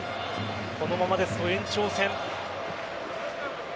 このままですと延長戦。